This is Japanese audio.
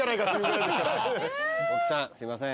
大木さんすいません。